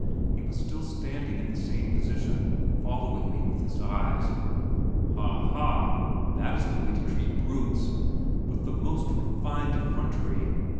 He was still standing in the same position, following me with his eyes. Ha, ha! That is the way to treat brutes! With the most refined effrontery!